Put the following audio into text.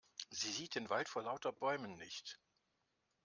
Sie sieht den Wald vor lauter Bäumen nicht.